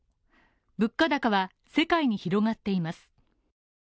物価高は世界に広がっています。